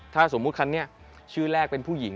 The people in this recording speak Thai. ถ้าสมมุติคันนี้ชื่อแรกเป็นผู้หญิง